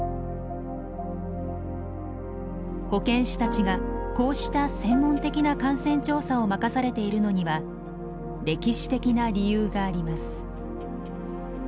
保健師たちがこうした専門的な感染調査を任されているのには歴史的な理由があります。